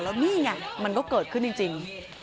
แล้วนี่ไงมันก็เกิดขึ้นจริง